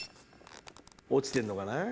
落ちてんのかな？